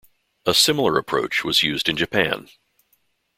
A similar approach was used in Japan.